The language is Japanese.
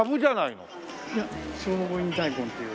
いや聖護院大根という。